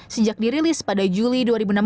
sejak dirilis pada juli dua ribu enam belas